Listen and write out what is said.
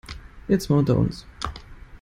Jetzt mal unter uns.